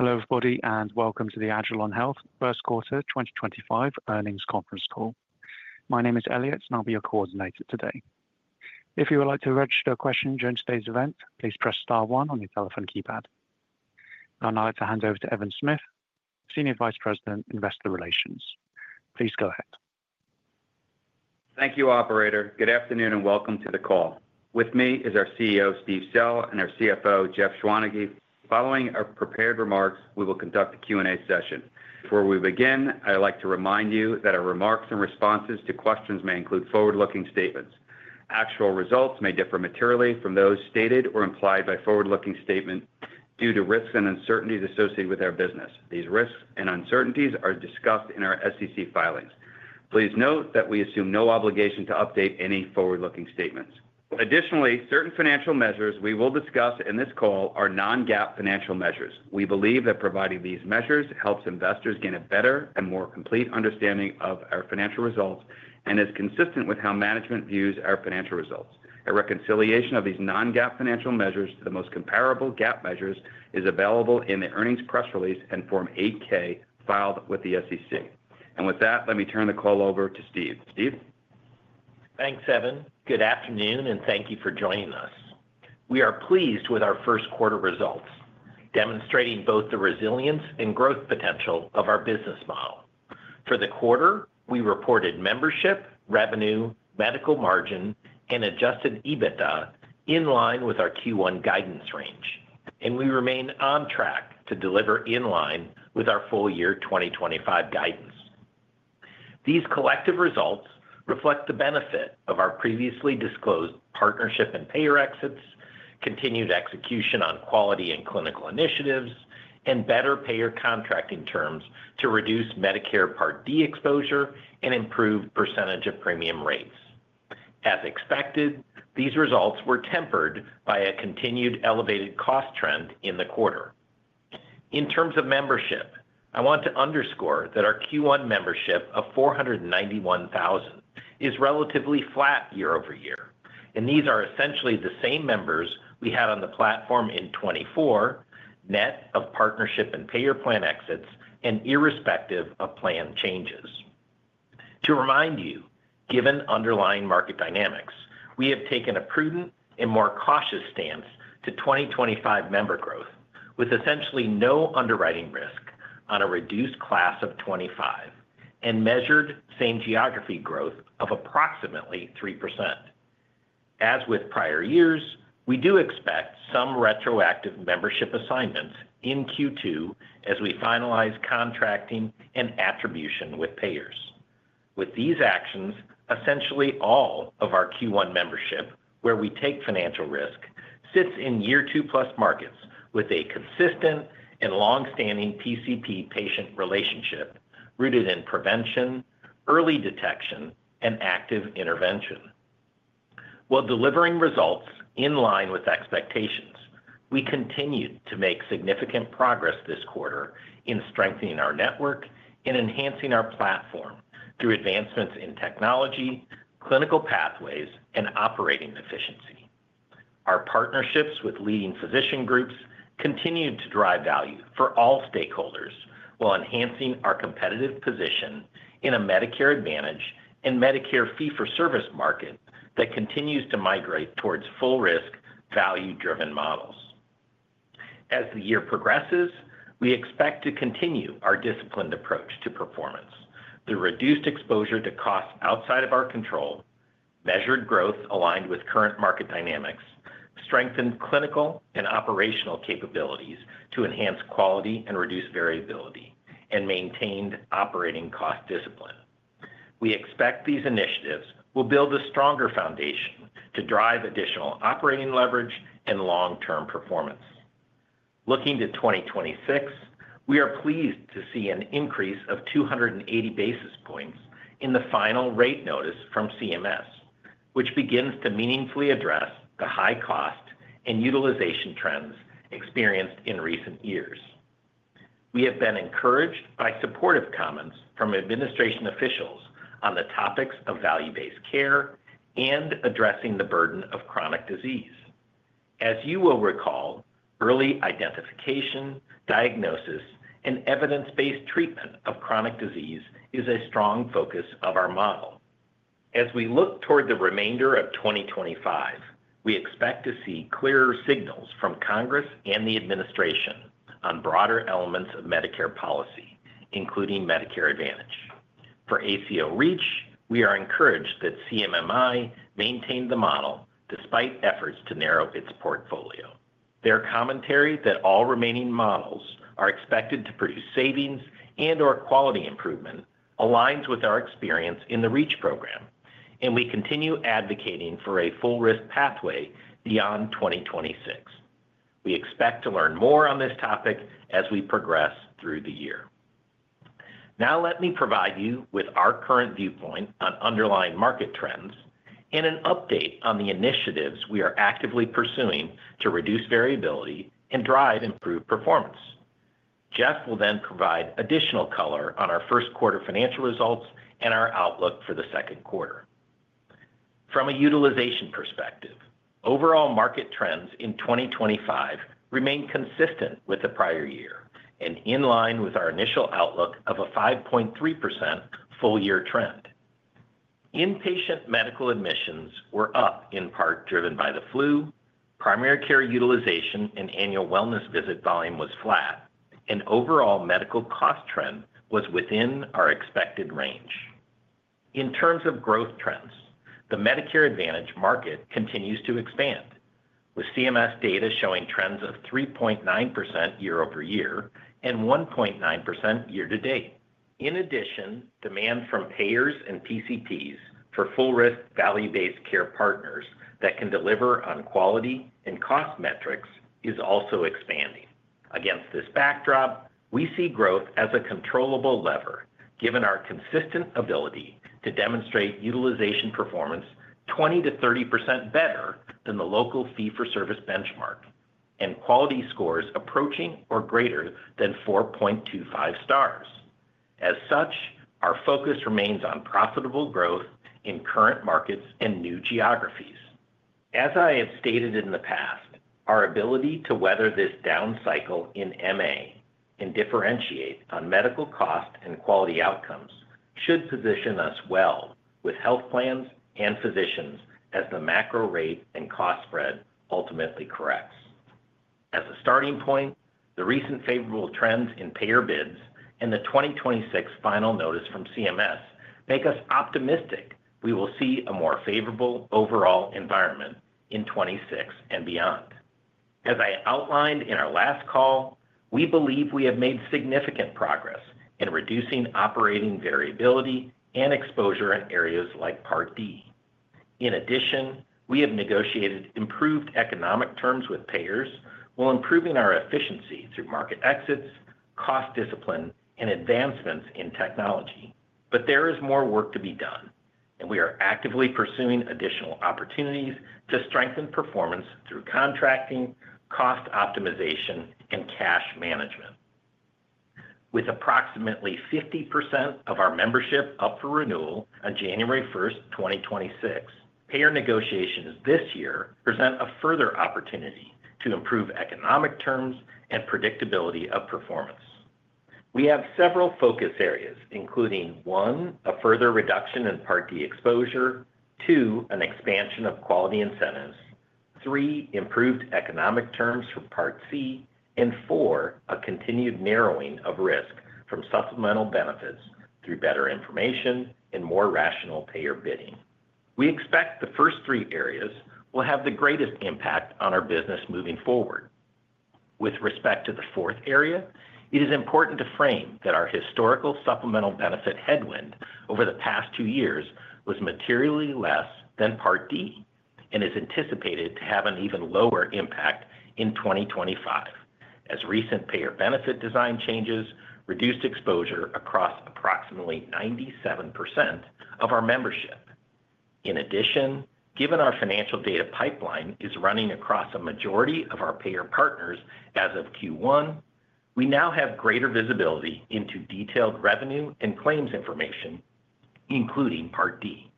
Hello, everybody, and welcome to the Agilon Health First Quarter 2025 Earnings Conference Call. My name is Elliot, and I'll be your coordinator today. If you would like to register a question during today's event, please press star one on your telephone keypad. I'd now like to hand over to Evan Smith, Senior Vice President, Investor Relations. Please go ahead. Thank you, Operator. Good afternoon and welcome to the call. With me is our CEO, Steve Sell, and our CFO, Jeff Schwaneke. Following our prepared remarks, we will conduct a Q&A session. Before we begin, I'd like to remind you that our remarks and responses to questions may include forward-looking statements. Actual results may differ materially from those stated or implied by forward-looking statements due to risks and uncertainties associated with our business. These risks and uncertainties are discussed in our SEC filings. Please note that we assume no obligation to update any forward-looking statements. Additionally, certain financial measures we will discuss in this call are non-GAAP financial measures. We believe that providing these measures helps investors gain a better and more complete understanding of our financial results and is consistent with how management views our financial results. A reconciliation of these non-GAAP financial measures to the most comparable GAAP measures is available in the earnings press release and Form 8K filed with the SEC. With that, let me turn the call over to Steve. Steve? Thanks, Evan. Good afternoon, and thank you for joining us. We are pleased with our first quarter results, demonstrating both the resilience and growth potential of our business model. For the quarter, we reported membership, revenue, medical margin, and adjusted EBITDA in line with our Q1 guidance range, and we remain on track to deliver in line with our full year 2025 guidance. These collective results reflect the benefit of our previously disclosed partnership and payer exits, continued execution on quality and clinical initiatives, and better payer contracting terms to reduce Medicare Part D exposure and improve percentage of premium rates. As expected, these results were tempered by a continued elevated cost trend in the quarter. In terms of membership, I want to underscore that our Q1 membership of 491,000 is relatively flat year over year, and these are essentially the same members we had on the platform in 2024, net of partnership and payer plan exits and irrespective of plan changes. To remind you, given underlying market dynamics, we have taken a prudent and more cautious stance to 2025 member growth with essentially no underwriting risk on a reduced class of 2025 and measured same geography growth of approximately 3%. As with prior years, we do expect some retroactive membership assignments in Q2 as we finalize contracting and attribution with payers. With these actions, essentially all of our Q1 membership, where we take financial risk, sits in year-two-plus markets with a consistent and long-standing PCP-patient relationship rooted in prevention, early detection, and active intervention. While delivering results in line with expectations, we continued to make significant progress this quarter in strengthening our network and enhancing our platform through advancements in technology, clinical pathways, and operating efficiency. Our partnerships with leading physician groups continue to drive value for all stakeholders while enhancing our competitive position in a Medicare Advantage and Medicare fee-for-service market that continues to migrate towards full-risk, value-driven models. As the year progresses, we expect to continue our disciplined approach to performance through reduced exposure to costs outside of our control, measured growth aligned with current market dynamics, strengthened clinical and operational capabilities to enhance quality and reduce variability, and maintained operating cost discipline. We expect these initiatives will build a stronger foundation to drive additional operating leverage and long-term performance. Looking to 2026, we are pleased to see an increase of 280 basis points in the final rate notice from CMS, which begins to meaningfully address the high cost and utilization trends experienced in recent years. We have been encouraged by supportive comments from administration officials on the topics of value-based care and addressing the burden of chronic disease. As you will recall, early identification, diagnosis, and evidence-based treatment of chronic disease is a strong focus of our model. As we look toward the remainder of 2025, we expect to see clearer signals from Congress and the administration on broader elements of Medicare policy, including Medicare Advantage. For ACO REACH, we are encouraged that CMMI maintained the model despite efforts to narrow its portfolio. Their commentary that all remaining models are expected to produce savings and/or quality improvement aligns with our experience in the Reach program, and we continue advocating for a full-risk pathway beyond 2026. We expect to learn more on this topic as we progress through the year. Now, let me provide you with our current viewpoint on underlying market trends and an update on the initiatives we are actively pursuing to reduce variability and drive improved performance. Jeff will then provide additional color on our first quarter financial results and our outlook for the second quarter. From a utilization perspective, overall market trends in 2025 remain consistent with the prior year and in line with our initial outlook of a 5.3% full-year trend. Inpatient medical admissions were up in part driven by the flu, primary care utilization, and annual wellness visit volume was flat, and overall medical cost trend was within our expected range. In terms of growth trends, the Medicare Advantage market continues to expand, with CMS data showing trends of 3.9% year over year and 1.9% year to date. In addition, demand from payers and PCPs for full-risk value-based care partners that can deliver on quality and cost metrics is also expanding. Against this backdrop, we see growth as a controllable lever given our consistent ability to demonstrate utilization performance 20%-30% better than the local fee-for-service benchmark and quality scores approaching or greater than 4.25 stars. As such, our focus remains on profitable growth in current markets and new geographies. As I have stated in the past, our ability to weather this down cycle in MA and differentiate on medical cost and quality outcomes should position us well with health plans and physicians as the macro rate and cost spread ultimately corrects. As a starting point, the recent favorable trends in payer bids and the 2026 final notice from CMS make us optimistic we will see a more favorable overall environment in 2026 and beyond. As I outlined in our last call, we believe we have made significant progress in reducing operating variability and exposure in areas like Part D. In addition, we have negotiated improved economic terms with payers while improving our efficiency through market exits, cost discipline, and advancements in technology. There is more work to be done, and we are actively pursuing additional opportunities to strengthen performance through contracting, cost optimization, and cash management. With approximately 50% of our membership up for renewal on January 1, 2026, payer negotiations this year present a further opportunity to improve economic terms and predictability of performance. We have several focus areas, including: one, a further reduction in Part D exposure; two, an expansion of quality incentives; three, improved economic terms for Part C; and four, a continued narrowing of risk from supplemental benefits through better information and more rational payer bidding. We expect the first three areas will have the greatest impact on our business moving forward. With respect to the fourth area, it is important to frame that our historical supplemental benefit headwind over the past two years was materially less than Part D and is anticipated to have an even lower impact in 2025, as recent payer benefit design changes reduced exposure across approximately 97% of our membership. In addition, given our financial data pipeline is running across a majority of our payer partners as of Q1, we now have greater visibility into detailed revenue and claims information, including Part D.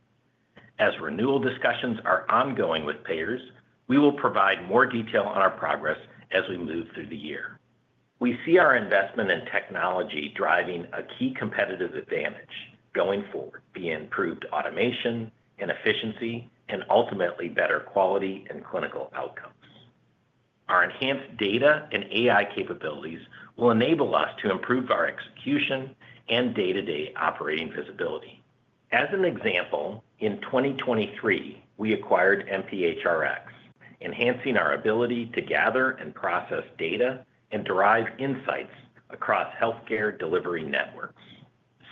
As renewal discussions are ongoing with payers, we will provide more detail on our progress as we move through the year. We see our investment in technology driving a key competitive advantage going forward, be it improved automation and efficiency and ultimately better quality and clinical outcomes. Our enhanced data and AI capabilities will enable us to improve our execution and day-to-day operating visibility. As an example, in 2023, we acquired mphrX, enhancing our ability to gather and process data and derive insights across healthcare delivery networks.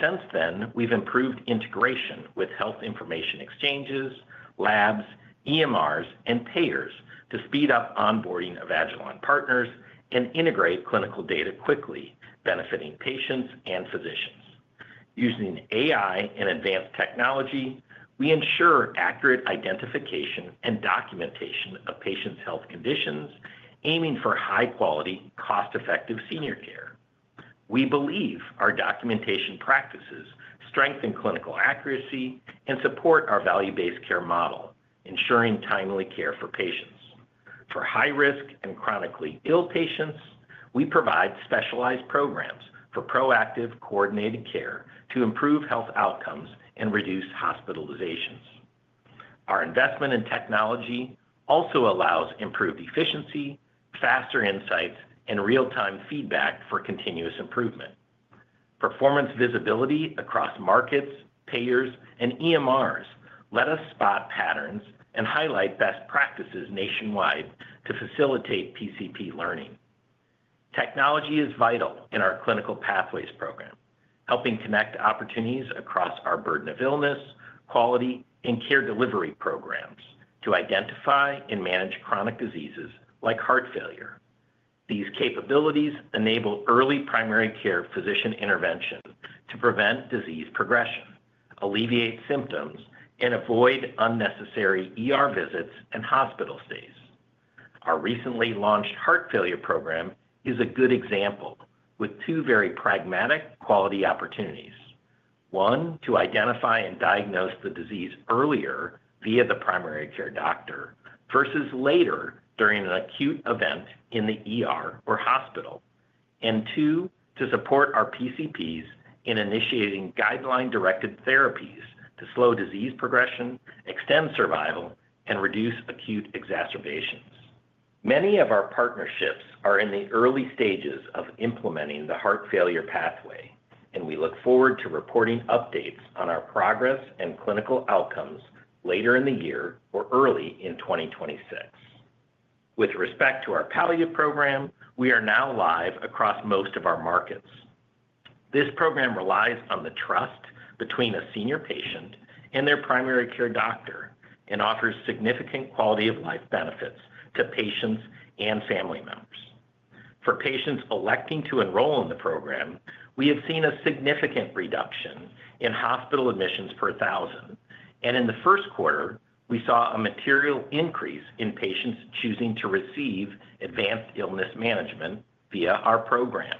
Since then, we've improved integration with health information exchanges, labs, EMRs, and payers to speed up onboarding of agilon health partners and integrate clinical data quickly, benefiting patients and physicians. Using AI and advanced technology, we ensure accurate identification and documentation of patients' health conditions, aiming for high-quality, cost-effective senior care. We believe our documentation practices strengthen clinical accuracy and support our value-based care model, ensuring timely care for patients. For high-risk and chronically ill patients, we provide specialized programs for proactive, coordinated care to improve health outcomes and reduce hospitalizations. Our investment in technology also allows improved efficiency, faster insights, and real-time feedback for continuous improvement. Performance visibility across markets, payers, and EMRs lets us spot patterns and highlight best practices nationwide to facilitate PCP learning. Technology is vital in our clinical pathways program, helping connect opportunities across our burden of illness, quality, and care delivery programs to identify and manage chronic diseases like heart failure. These capabilities enable early primary care physician intervention to prevent disease progression, alleviate symptoms, and avoid unnecessary visits and hospital stays. Our recently launched heart failure program is a good example, with two very pragmatic quality opportunities: one, to identify and diagnose the disease earlier via the primary care doctor versus later during an acute event in the hospital; and two, to support our PCPs in initiating guideline-directed therapies to slow disease progression, extend survival, and reduce acute exacerbations. Many of our partnerships are in the early stages of implementing the heart failure pathway, and we look forward to reporting updates on our progress and clinical outcomes later in the year or early in 2026. With respect to our palliative program, we are now live across most of our markets. This program relies on the trust between a senior patient and their primary care doctor and offers significant quality of life benefits to patients and family members. For patients electing to enroll in the program, we have seen a significant reduction in hospital admissions per 1,000. In the first quarter, we saw a material increase in patients choosing to receive advanced illness management via our program.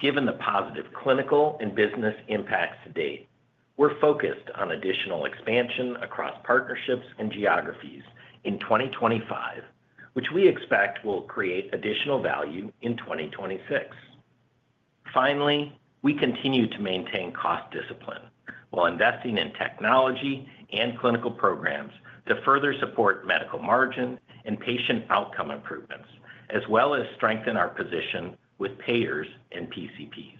Given the positive clinical and business impacts to date, we are focused on additional expansion across partnerships and geographies in 2025, which we expect will create additional value in 2026. Finally, we continue to maintain cost discipline while investing in technology and clinical programs to further support medical margin and patient outcome improvements, as well as strengthen our position with payers and PCPs.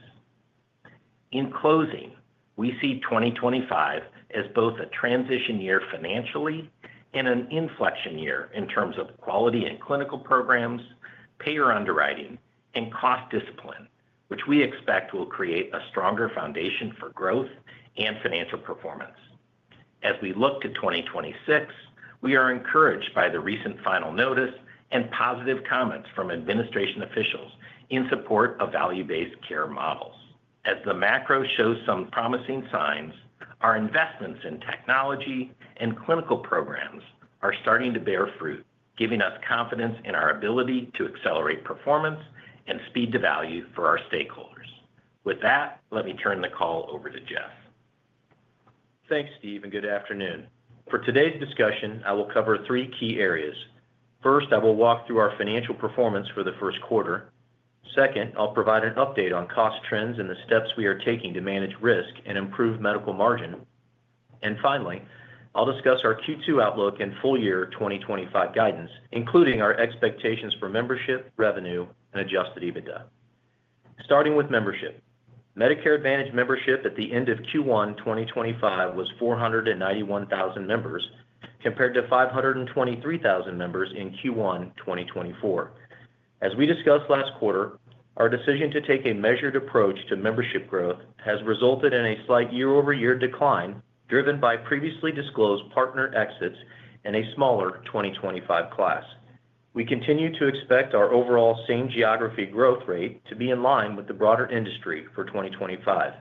In closing, we see 2025 as both a transition year financially and an inflection year in terms of quality and clinical programs, payer underwriting, and cost discipline, which we expect will create a stronger foundation for growth and financial performance. As we look to 2026, we are encouraged by the recent final notice and positive comments from administration officials in support of value-based care models. As the macro shows some promising signs, our investments in technology and clinical programs are starting to bear fruit, giving us confidence in our ability to accelerate performance and speed to value for our stakeholders. With that, let me turn the call over to Jeff. Thanks, Steve, and good afternoon. For today's discussion, I will cover three key areas. First, I will walk through our financial performance for the first quarter. Second, I'll provide an update on cost trends and the steps we are taking to manage risk and improve medical margin. And finally, I'll discuss our Q2 outlook and full-year 2025 guidance, including our expectations for membership, revenue, and adjusted EBITDA. Starting with membership, Medicare Advantage membership at the end of Q1 2025 was 491,000 members compared to 523,000 members in Q1 2024. As we discussed last quarter, our decision to take a measured approach to membership growth has resulted in a slight year-over-year decline driven by previously disclosed partner exits and a smaller 2025 class. We continue to expect our overall same geography growth rate to be in line with the broader industry for 2025.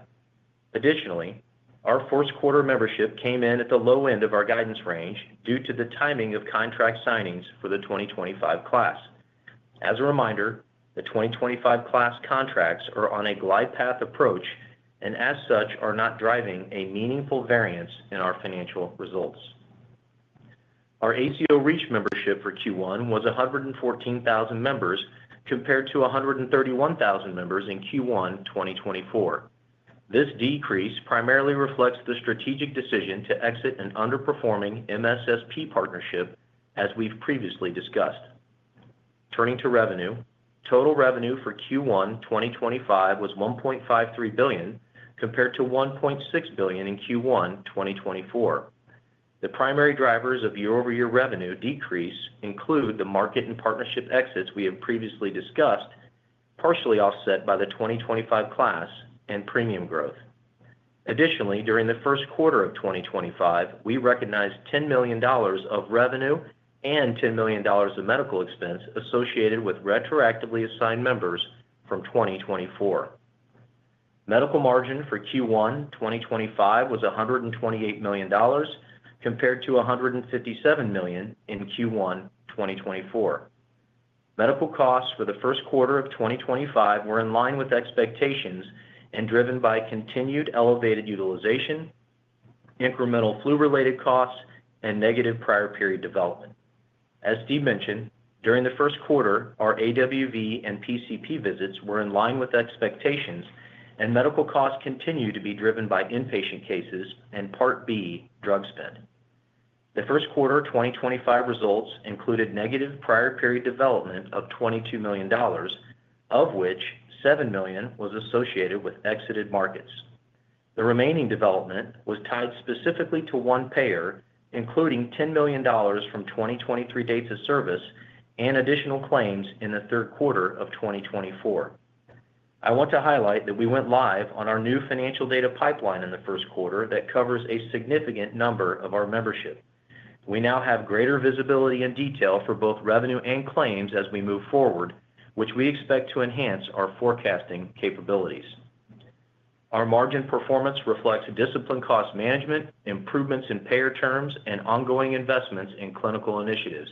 Additionally, our fourth quarter membership came in at the low end of our guidance range due to the timing of contract signings for the 2025 class. As a reminder, the 2025 class contracts are on a glide path approach and, as such, are not driving a meaningful variance in our financial results. Our ACO REACH membership for Q1 was 114,000 members compared to 131,000 members in Q1 2024. This decrease primarily reflects the strategic decision to exit an underperforming MSSP partnership, as we've previously discussed. Turning to revenue, total revenue for Q1 2025 was $1.53 billion compared to $1.6 billion in Q1 2024. The primary drivers of year-over-year revenue decrease include the market and partnership exits we have previously discussed, partially offset by the 2025 class and premium growth. Additionally, during the first quarter of 2025, we recognized $10 million of revenue and $10 million of medical expense associated with retroactively assigned members from 2024. Medical margin for Q1 2025 was $128 million compared to $157 million in Q1 2024. Medical costs for the first quarter of 2025 were in line with expectations and driven by continued elevated utilization, incremental flu-related costs, and negative prior period development. As Steve mentioned, during the first quarter, our AWV and PCP visits were in line with expectations, and medical costs continue to be driven by inpatient cases and Part B drug spend. The first quarter 2025 results included negative prior period development of $22 million, of which $7 million was associated with exited markets. The remaining development was tied specifically to one payer, including $10 million from 2023 dates of service and additional claims in the third quarter of 2024. I want to highlight that we went live on our new financial data pipeline in the first quarter that covers a significant number of our membership. We now have greater visibility and detail for both revenue and claims as we move forward, which we expect to enhance our forecasting capabilities. Our margin performance reflects discipline cost management, improvements in payer terms, and ongoing investments in clinical initiatives.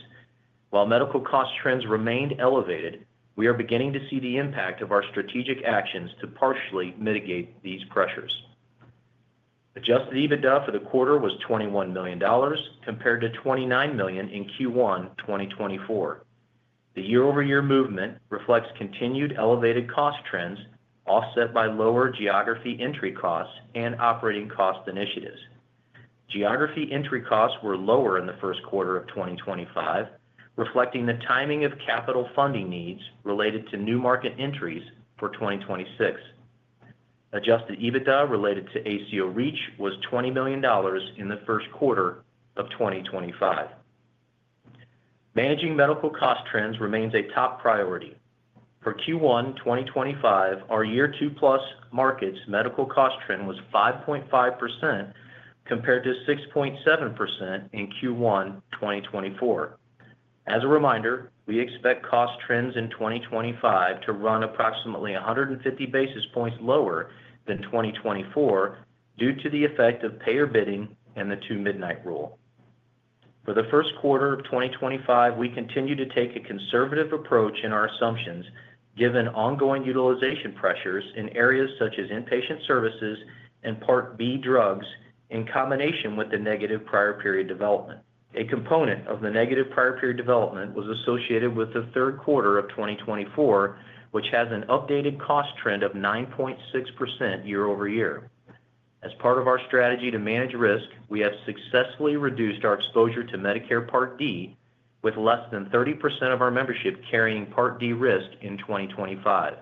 While medical cost trends remained elevated, we are beginning to see the impact of our strategic actions to partially mitigate these pressures. Adjusted EBITDA for the quarter was $21 million compared to $29 million in Q1 2024. The year-over-year movement reflects continued elevated cost trends offset by lower geography entry costs and operating cost initiatives. Geography entry costs were lower in the first quarter of 2025, reflecting the timing of capital funding needs related to new market entries for 2026. Adjusted EBITDA related to ACO REACH was $20 million in the first quarter of 2025. Managing medical cost trends remains a top priority. For Q1 2025, our year-two-plus markets medical cost trend was 5.5% compared to 6.7% in Q1 2024. As a reminder, we expect cost trends in 2025 to run approximately 150 basis points lower than 2024 due to the effect of payer bidding and the two-midnight rule. For the first quarter of 2025, we continue to take a conservative approach in our assumptions, given ongoing utilization pressures in areas such as inpatient services and Part B drugs in combination with the negative prior period development. A component of the negative prior period development was associated with the third quarter of 2024, which has an updated cost trend of 9.6% year-over-year. As part of our strategy to manage risk, we have successfully reduced our exposure to Medicare Part D, with less than 30% of our membership carrying Part D risk in 2025.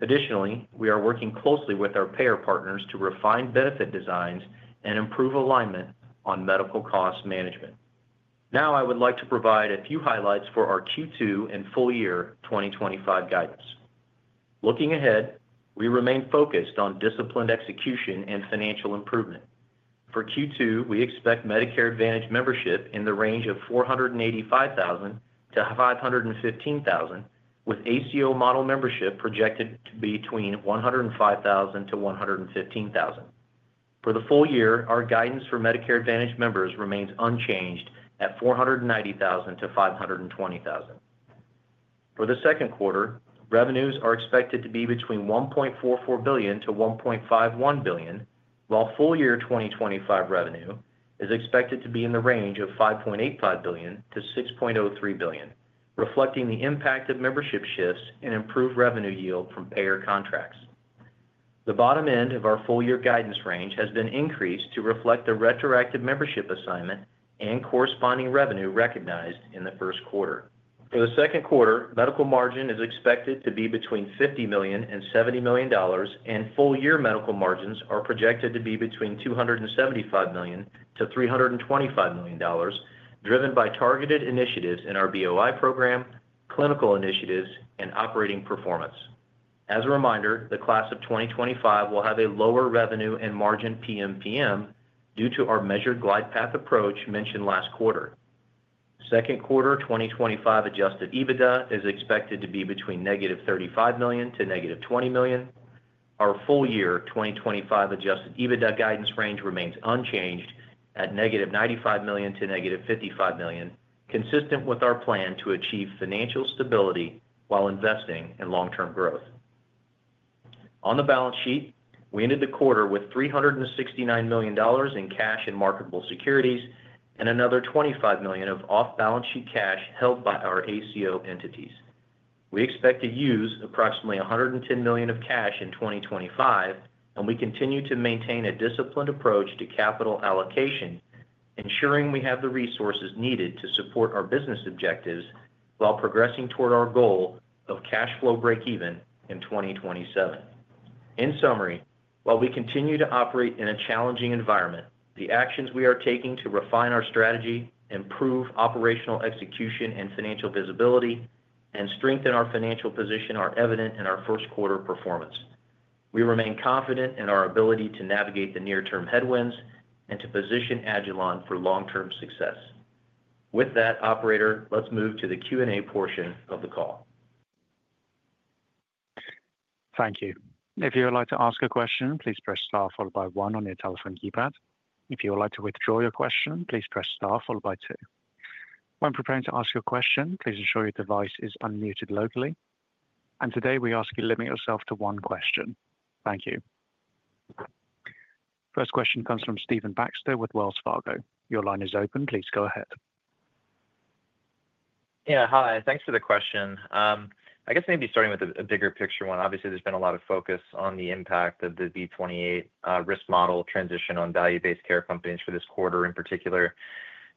Additionally, we are working closely with our payer partners to refine benefit designs and improve alignment on medical cost management. Now, I would like to provide a few highlights for our Q2 and full-year 2025 guidance. Looking ahead, we remain focused on disciplined execution and financial improvement. For Q2, we expect Medicare Advantage membership in the range of 485,000-515,000, with ACO model membership projected to be between 105,000-115,000. For the full year, our guidance for Medicare Advantage members remains unchanged at 490,000- 520,000. For the second quarter, revenues are expected to be between $1.44 billion- $1.51 billion, while full-year 2025 revenue is expected to be in the range of $5.85 billion-$6.03 billion, reflecting the impact of membership shifts and improved revenue yield from payer contracts. The bottom end of our full-year guidance range has been increased to reflect the retroactive membership assignment and corresponding revenue recognized in the first quarter. For the second quarter, medical margin is expected to be between $50 million and $70 million, and full-year medical margins are projected to be between $275 million-$325 million, driven by targeted initiatives in our BOI program, clinical initiatives, and operating performance. As a reminder, the class of 2025 will have a lower revenue and margin PMPM due to our measured glide path approach mentioned last quarter. Second quarter 2025 adjusted EBITDA is expected to be between $-35 million to $-20 million. Our full-year 2025 adjusted EBITDA guidance range remains unchanged at $-95 million to $-55 million, consistent with our plan to achieve financial stability while investing in long-term growth. On the balance sheet, we ended the quarter with $369 million in cash and marketable securities and another $25 million of off-balance sheet cash held by our ACO entities. We expect to use approximately $110 million of cash in 2025, and we continue to maintain a disciplined approach to capital allocation, ensuring we have the resources needed to support our business objectives while progressing toward our goal of cash flow break-even in 2027. In summary, while we continue to operate in a challenging environment, the actions we are taking to refine our strategy, improve operational execution and financial visibility, and strengthen our financial position are evident in our first quarter performance. We remain confident in our ability to navigate the near-term headwinds and to position agilon health for long-term success. With that, Operator, let's move to the Q&A portion of the call. Thank you. If you would like to ask a question, please press star followed by one on your telephone keypad. If you would like to withdraw your question, please press star followed by two. When preparing to ask your question, please ensure your device is unmuted locally. Today, we ask you to limit yourself to one question. Thank you. First question comes from Stephen Baxter with Wells Fargo. Your line is open. Please go ahead. Yeah, hi. Thanks for the question. I guess maybe starting with a bigger picture one. Obviously, there has been a lot of focus on the impact of the V28 risk model transition on value-based care companies for this quarter in particular,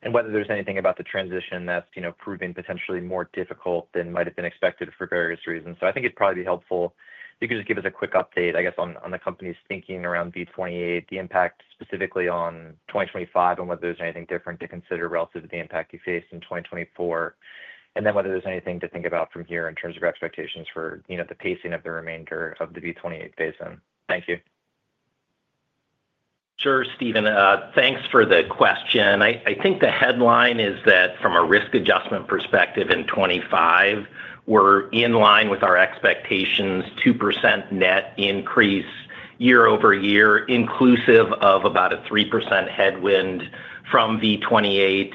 and whether there is anything about the transition that is proving potentially more difficult than might have been expected for various reasons. I think it'd probably be helpful if you could just give us a quick update, I guess, on the company's thinking around V28, the impact specifically on 2025, and whether there's anything different to consider relative to the impact you faced in 2024, and then whether there's anything to think about from here in terms of expectations for the pacing of the remainder of the V28 phase. Thank you. Sure, Stephen. Thanks for the question. I think the headline is that from a risk adjustment perspective in 2025, we're in line with our expectations, 2% net increase year-over-year, inclusive of about a 3% headwind from V28.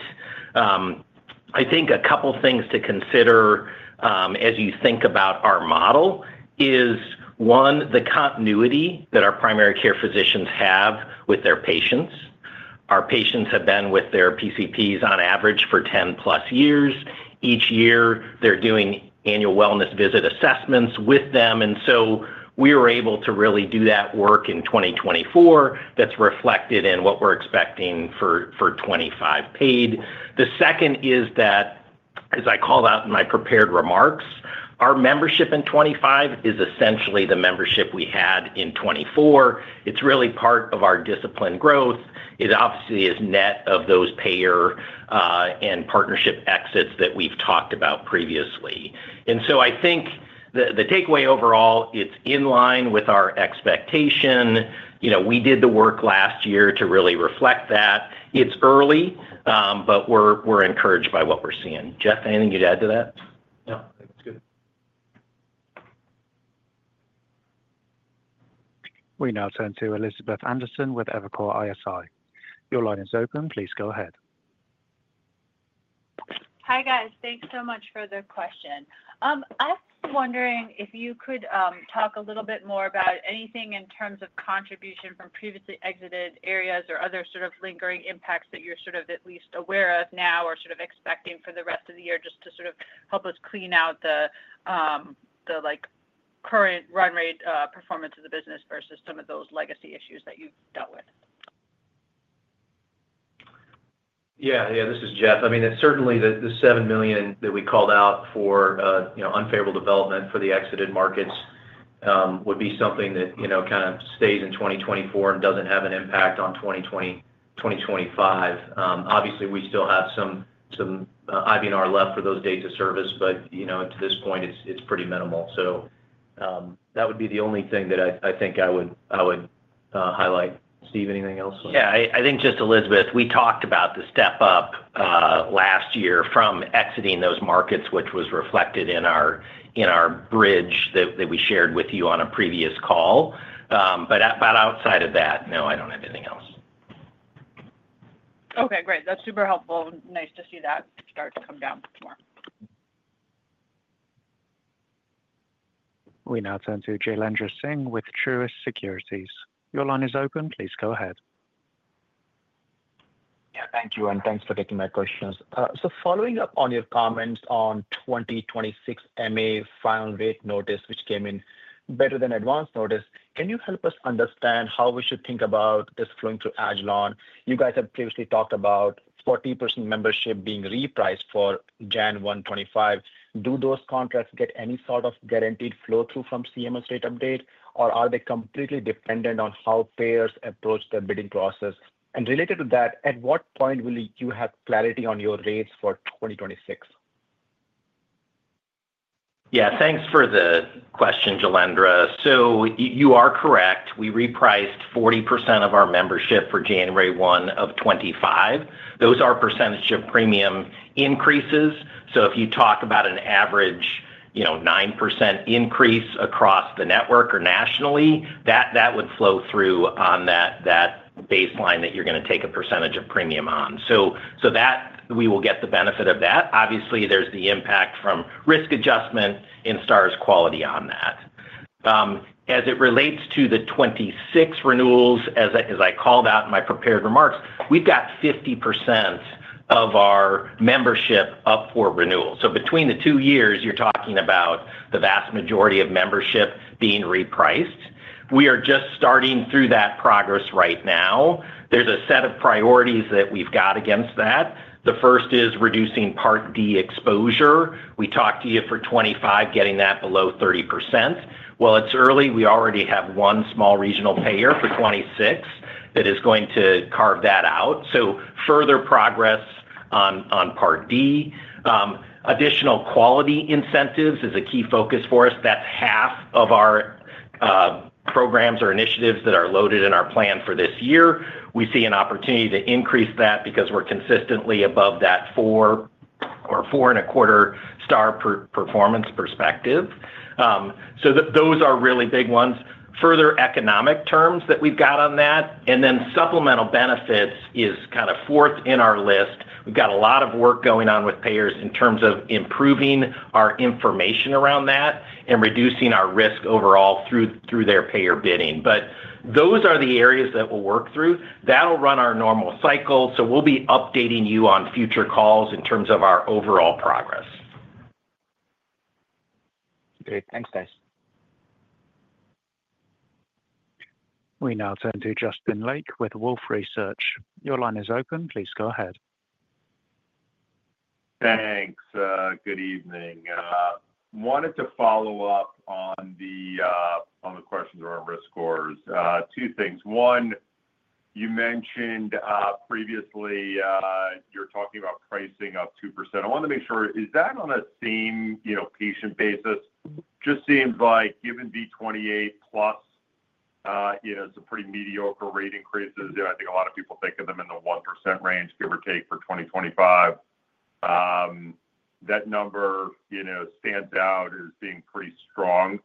I think a couple of things to consider as you think about our model is, one, the continuity that our primary care physicians have with their patients. Our patients have been with their PCPs on average for 10-plus years. Each year, they're doing annual wellness visit assessments with them. We were able to really do that work in 2024. That is reflected in what we're expecting for 2025 paid. The second is that, as I called out in my prepared remarks, our membership in 2025 is essentially the membership we had in 2024. It is really part of our discipline growth. It obviously is net of those payer and partnership exits that we've talked about previously. I think the takeaway overall, it is in line with our expectation. We did the work last year to really reflect that. It is early, but we're encouraged by what we're seeing. Jeff, anything you'd add to that? No, I think it's good. We now turn to Elizabeth Anderson with Evercore ISI. Your line is open. Please go ahead. Hi, guys. Thanks so much for the question. I was wondering if you could talk a little bit more about anything in terms of contribution from previously exited areas or other sort of lingering impacts that you're sort of at least aware of now or sort of expecting for the rest of the year just to sort of help us clean out the current run rate performance of the business versus some of those legacy issues that you've dealt with. Yeah, this is Jeff. I mean, certainly, the $7 million that we called out for unfavorable development for the exited markets would be something that kind of stays in 2024 and doesn't have an impact on 2025. Obviously, we still have some IBNR left for those dates of service, but to this point, it's pretty minimal. That would be the only thing that I think I would highlight. Steve, anything else? Yeah, I think just Elizabeth. We talked about the step-up last year from exiting those markets, which was reflected in our bridge that we shared with you on a previous call. Outside of that, no, I do not have anything else. Okay, great. That is super helpful. Nice to see that start to come down tomorrow. We now turn to Jailendra Singh with Truist Securities. Your line is open. Please go ahead. Yeah, thank you. Thanks for taking my questions. Following up on your comments on 2026 MA final rate notice, which came in better than advanced notice, can you help us understand how we should think about this flowing through agilon? You guys have previously talked about 40% membership being repriced for January 1, 2025. Do those contracts get any sort of guaranteed flow-through from CMS rate update, or are they completely dependent on how payers approach their bidding process? Related to that, at what point will you have clarity on your rates for 2026? Yeah, thanks for the question, Jailendra. You are correct. We repriced 40% of our membership for January 1 of 2025. Those are percentage of premium increases. If you talk about an average 9% increase across the network or nationally, that would flow through on that baseline that you are going to take a percentage of premium on. We will get the benefit of that. Obviously, there is the impact from risk adjustment and star's quality on that. As it relates to the 2026 renewals, as I called out in my prepared remarks, we have 50% of our membership up for renewal. Between the two years, you are talking about the vast majority of membership being repriced. We are just starting through that progress right now. There's a set of priorities that we've got against that. The first is reducing Part D exposure. We talked to you for 2025 getting that below 30%. While it's early, we already have one small regional payer for 2026 that is going to carve that out. Further progress on Part D. Additional quality incentives is a key focus for us. That's half of our programs or initiatives that are loaded in our plan for this year. We see an opportunity to increase that because we're consistently above that four or four and a quarter star performance perspective. Those are really big ones. Further economic terms that we've got on that, and then supplemental benefits is kind of fourth in our list. We've got a lot of work going on with payers in terms of improving our information around that and reducing our risk overall through their payer bidding. Those are the areas that we'll work through. That'll run our normal cycle. We'll be updating you on future calls in terms of our overall progress. Great. Thanks, guys. We now turn to Justin Lake with Wolfe Research. Your line is open. Please go ahead. Thanks. Good evening. Wanted to follow up on the questions around risk scores. Two things. One, you mentioned previously you're talking about pricing up 2%. I want to make sure, is that on a same patient basis? Just seems like given V28 plus some pretty mediocre rate increases, I think a lot of people think of them in the 1% range, give or take for 2025. That number stands out as being pretty strong.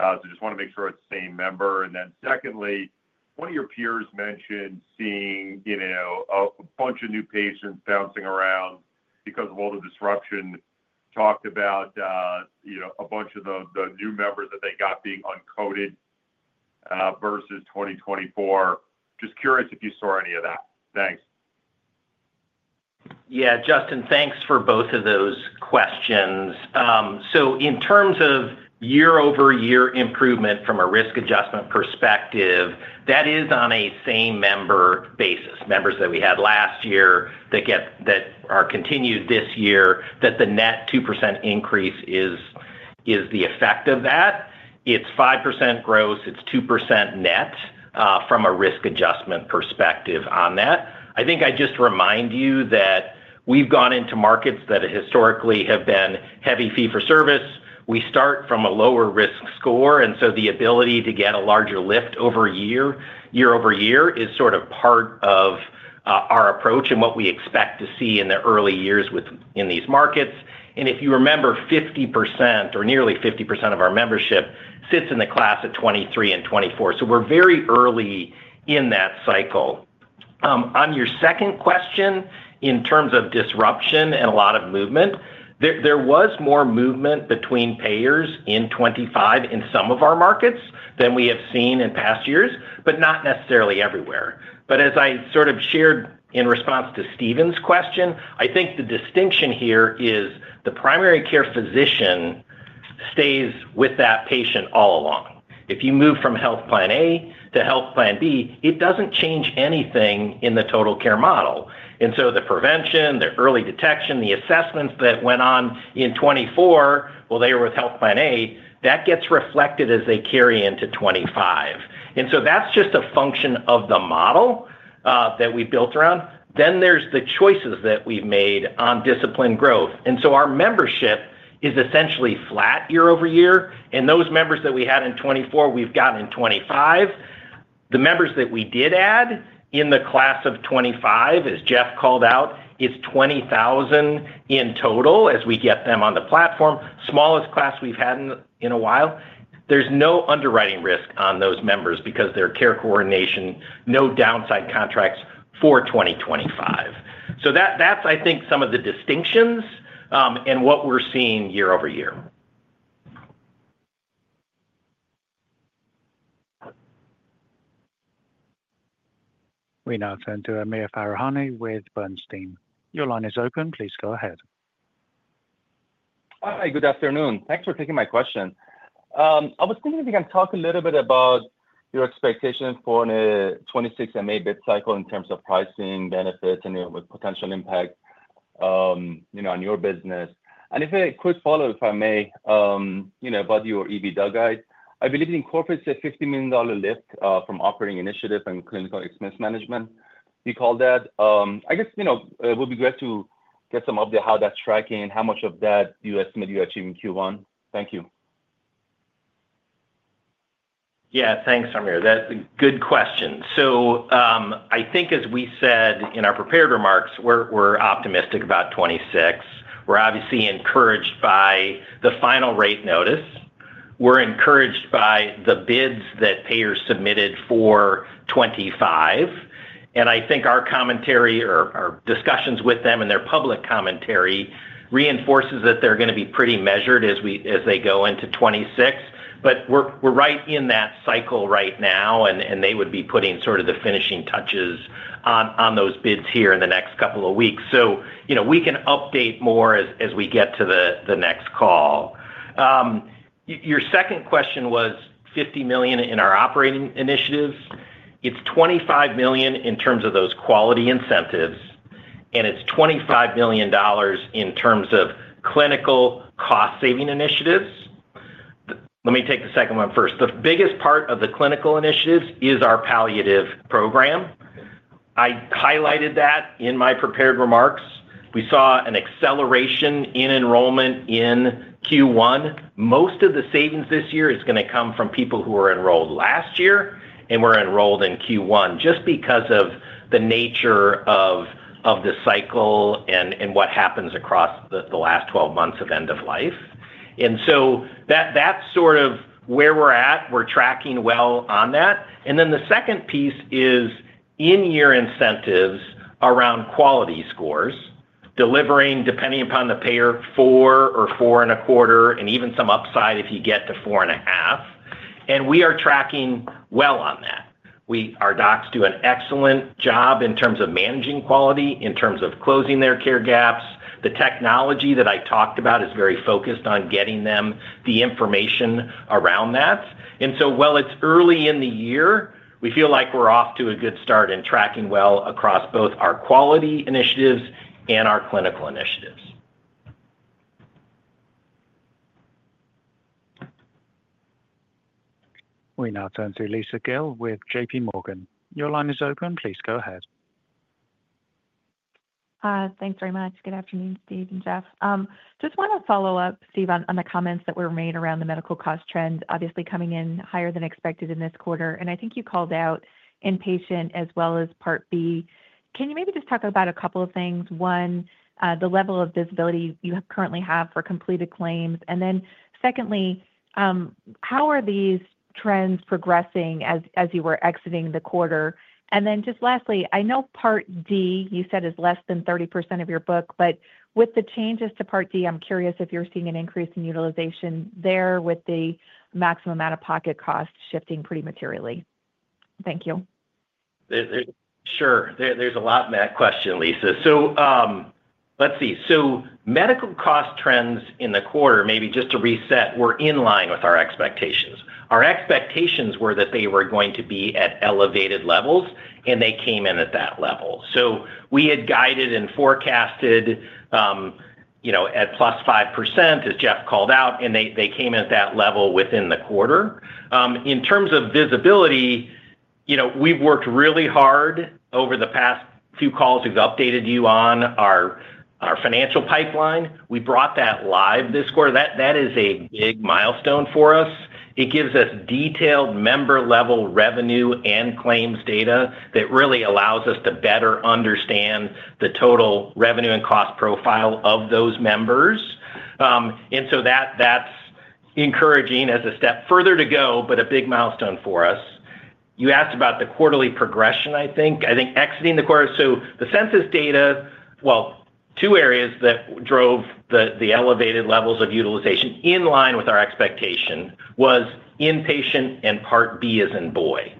Just want to make sure it's the same member. Then secondly, one of your peers mentioned seeing a bunch of new patients bouncing around because of all the disruption. Talked about a bunch of the new members that they got being uncoded versus 2024. Just curious if you saw any of that. Thanks. Yeah, Justin, thanks for both of those questions. In terms of year-over-year improvement from a risk adjustment perspective, that is on a same member basis, members that we had last year that are continued this year, that the net 2% increase is the effect of that. It is 5% gross. It is 2% net from a risk adjustment perspective on that. I think I just remind you that we have gone into markets that historically have been heavy fee-for-service. We start from a lower risk score. The ability to get a larger lift over year-over-year is sort of part of our approach and what we expect to see in the early years in these markets. If you remember, 50% or nearly 50% of our membership sits in the class at 2023 and 2024. We are very early in that cycle. On your second question, in terms of disruption and a lot of movement, there was more movement between payers in 2025 in some of our markets than we have seen in past years, but not necessarily everywhere. As I sort of shared in response to Stephen's question, I think the distinction here is the primary care physician stays with that patient all along. If you move from health plan A to health plan B, it does not change anything in the total care model. The prevention, the early detection, the assessments that went on in 2024, while they were with health plan A, that gets reflected as they carry into 2025. That is just a function of the model that we built around. There are the choices that we have made on discipline growth. Our membership is essentially flat year-over-year. Those members that we had in 2024, we have gotten in 2025. The members that we did add in the class of 2025, as Jeff called out, is 20,000 in total as we get them on the platform, smallest class we have had in a while. There is no underwriting risk on those members because they are care coordination, no downside contracts for 2025. I think that is some of the distinctions and what we are seeing year-over-year. We now turn to Amir Farahani with Bernstein. Your line is open. Please go ahead. Hi, good afternoon. Thanks for taking my question. I was thinking if you can talk a little bit about your expectation for the 2026 MA bid cycle in terms of pricing, benefits, and potential impact on your business. If it could follow, if I may, about your EBITDA guide. I believe it incorporates a $50 million lift from operating initiative and clinical expense management. You called that. I guess it would be great to get some update on how that's tracking and how much of that you estimate you're achieving Q1. Thank you. Yeah, thanks, Amir. That's a good question. I think, as we said in our prepared remarks, we're optimistic about 2026. We're obviously encouraged by the final rate notice. We're encouraged by the bids that payers submitted for 2025. I think our commentary or our discussions with them and their public commentary reinforces that they're going to be pretty measured as they go into 2026. We are right in that cycle right now, and they would be putting sort of the finishing touches on those bids here in the next couple of weeks. We can update more as we get to the next call. Your second question was $50 million in our operating initiatives. It's $25 million in terms of those quality incentives, and it's $25 million in terms of clinical cost-saving initiatives. Let me take the second one first. The biggest part of the clinical initiatives is our palliative program. I highlighted that in my prepared remarks. We saw an acceleration in enrollment in Q1. Most of the savings this year is going to come from people who were enrolled last year and were enrolled in Q1 just because of the nature of the cycle and what happens across the last 12 months of end of life. That is sort of where we are at. We are tracking well on that. The second piece is in-year incentives around quality scores, delivering depending upon the payer four or 4.25 and even some upside if you get to 4.5. We are tracking well on that. Our docs do an excellent job in terms of managing quality, in terms of closing their care gaps. The technology that I talked about is very focused on getting them the information around that. While it is early in the year, we feel like we are off to a good start in tracking well across both our quality initiatives and our clinical initiatives. We now turn to Lisa Gill with JPMorgan. Your line is open. Please go ahead. Thanks very much. Good afternoon, Steve and Jeff. Just want to follow up, Steve, on the comments that were made around the medical cost trend, obviously coming in higher than expected in this quarter. I think you called out inpatient as well as Part B. Can you maybe just talk about a couple of things? One, the level of visibility you currently have for completed claims. Then secondly, how are these trends progressing as you were exiting the quarter? And then just lastly, I know Part D you said is less than 30% of your book, but with the changes to Part D, I'm curious if you're seeing an increase in utilization there with the maximum out-of-pocket cost shifting pretty materially. Thank you. Sure. There's a lot in that question, Lisa. Let's see. Medical cost trends in the quarter, maybe just to reset, were in line with our expectations. Our expectations were that they were going to be at elevated levels, and they came in at that level. We had guided and forecasted at plus 5%, as Jeff called out, and they came in at that level within the quarter. In terms of visibility, we've worked really hard over the past few calls. We've updated you on our financial pipeline. We brought that live this quarter. That is a big milestone for us. It gives us detailed member-level revenue and claims data that really allows us to better understand the total revenue and cost profile of those members. That is encouraging as a step further to go, but a big milestone for us. You asked about the quarterly progression, I think. I think exiting the quarter. The census data, two areas that drove the elevated levels of utilization in line with our expectation was inpatient and Part B as in boy.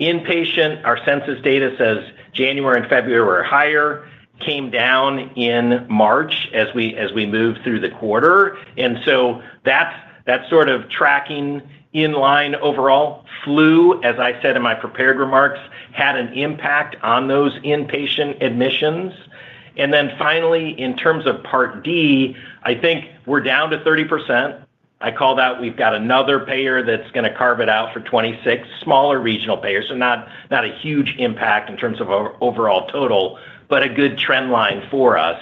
Inpatient, our census data says January and February were higher, came down in March as we moved through the quarter. That is sort of tracking in line overall. Flu, as I said in my prepared remarks, had an impact on those inpatient admissions. Finally, in terms of Part D, I think we are down to 30%. I call that we've got another payer that's going to carve it out for 2026, smaller regional payers. Not a huge impact in terms of our overall total, but a good trend line for us.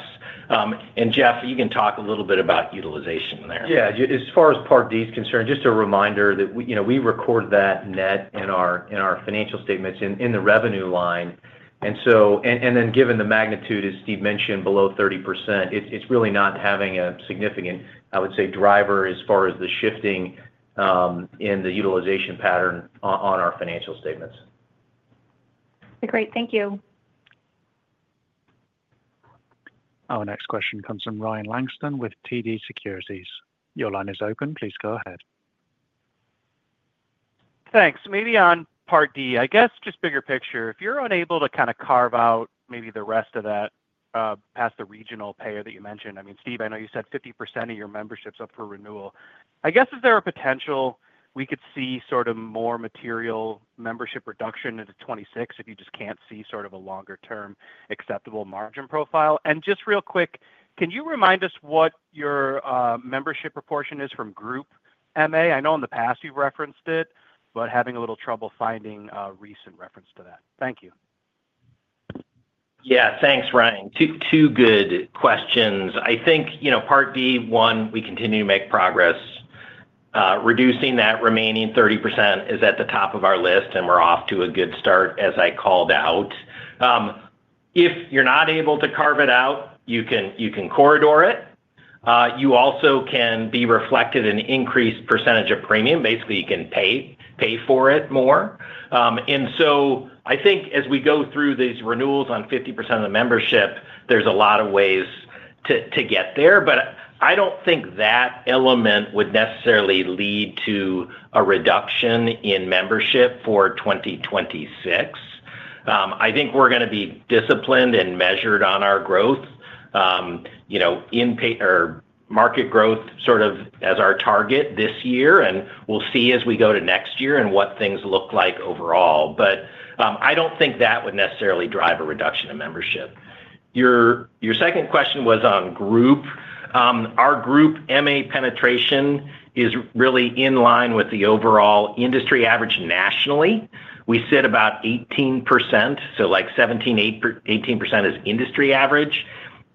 Jeff, you can talk a little bit about utilization there. Yeah. As far as Part D is concerned, just a reminder that we record that net in our financial statements in the revenue line. Given the magnitude, as Steve mentioned, below 30%, it's really not having a significant, I would say, driver as far as the shifting in the utilization pattern on our financial statements. Great. Thank you. Our next question comes from Ryan Langston with TD Securities. Your line is open. Please go ahead. Thanks. Maybe on Part D, I guess just bigger picture, if you're unable to kind of carve out maybe the rest of that past the regional payer that you mentioned. I mean, Steve, I know you said 50% of your membership's up for renewal. I guess is there a potential we could see sort of more material membership reduction into 2026 if you just can't see sort of a longer-term acceptable margin profile? And just real quick, can you remind us what your membership proportion is from Group MA? I know in the past you've referenced it, but having a little trouble finding a recent reference to that. Thank you. Yeah. Thanks, Ryan. Two good questions. I think Part D, one, we continue to make progress. Reducing that remaining 30% is at the top of our list, and we're off to a good start, as I called out. If you're not able to carve it out, you can corridor it. You also can be reflected in increased % of premium. Basically, you can pay for it more. I think as we go through these renewals on 50% of the membership, there's a lot of ways to get there. I don't think that element would necessarily lead to a reduction in membership for 2026. I think we're going to be disciplined and measured on our growth in market growth sort of as our target this year. We'll see as we go to next year and what things look like overall. I don't think that would necessarily drive a reduction in membership. Your second question was on group. Our group MA penetration is really in line with the overall industry average nationally. We sit about 18%. So like 17-18% is industry average.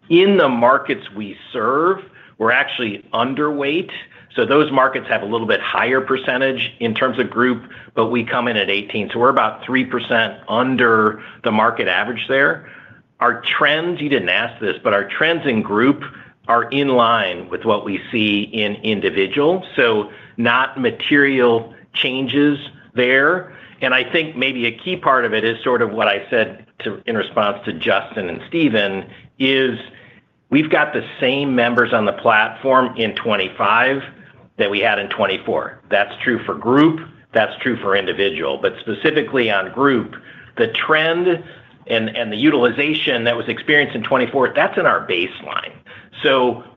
In the markets we serve, we're actually underweight. Those markets have a little bit higher percentage in terms of group, but we come in at 18%. We're about 3% under the market average there. Our trends—you didn't ask this—but our trends in group are in line with what we see in individual. Not material changes there. I think maybe a key part of it is sort of what I said in response to Justin and Stephen is we've got the same members on the platform in 2025 that we had in 2024. That's true for group. That's true for individual. Specifically on group, the trend and the utilization that was experienced in 2024, that's in our baseline.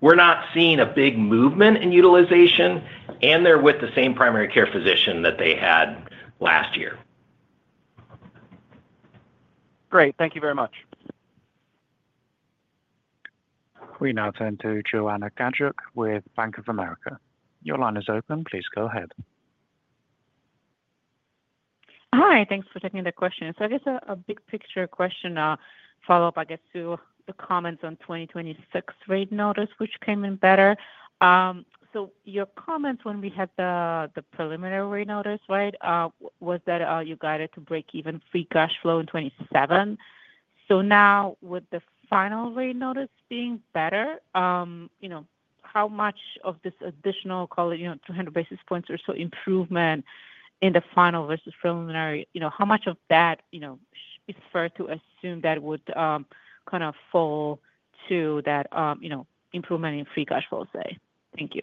We're not seeing a big movement in utilization, and they're with the same primary care physician that they had last year. Great. Thank you very much. We now turn to Joanna Gajuk with Bank of America. Your line is open. Please go ahead. Hi. Thanks for taking the question. I guess a big picture question follow-up, I guess, to the comments on 2026 rate notice, which came in better. Your comments when we had the preliminary rate notice, right, was that you guided to break even free cash flow in 2027. Now with the final rate notice being better, how much of this additional, call it 200 basis points or so improvement in the final versus preliminary, how much of that is fair to assume that would kind of fall to that improvement in free cash flow, say? Thank you.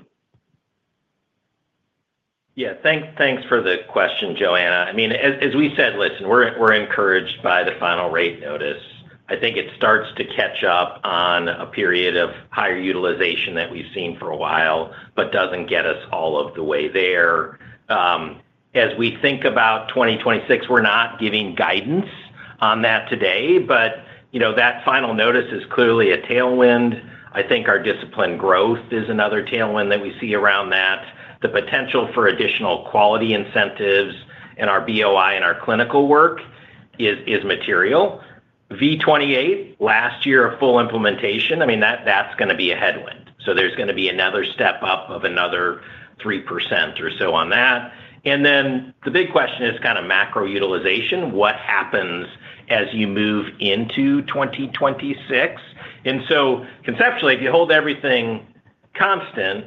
Yeah. Thanks for the question, Joanna. I mean, as we said, listen, we're encouraged by the final rate notice. I think it starts to catch up on a period of higher utilization that we've seen for a while but doesn't get us all of the way there. As we think about 2026, we're not giving guidance on that today. That final notice is clearly a tailwind. I think our discipline growth is another tailwind that we see around that. The potential for additional quality incentives in our BOI and our clinical work is material. V28, last year of full implementation, I mean, that's going to be a headwind. There is going to be another step up of another 3% or so on that. The big question is kind of macro utilization. What happens as you move into 2026? Conceptually, if you hold everything constant,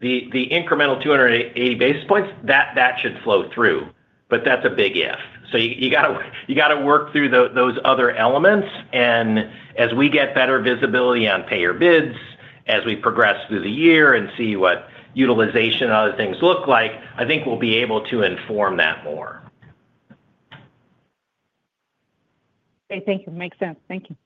the incremental 280 basis points, that should flow through. That is a big if. You got to work through those other elements. As we get better visibility on payer bids, as we progress through the year and see what utilization and other things look like, I think we'll be able to inform that more. Okay. Thank you. Makes sense. Thank you.